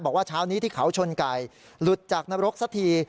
เช้านี้ที่เขาชนไก่หลุดจากนรกสักที